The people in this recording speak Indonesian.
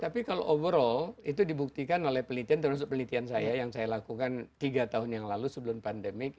tapi kalau overall itu dibuktikan oleh pelitian termasuk pelitian saya yang saya lakukan tiga tahun yang lalu sebelum pandemik